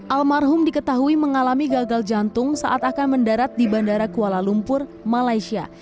almarhum diketahui mengalami gagal jantung saat akan mendarat di bandara kuala lumpur malaysia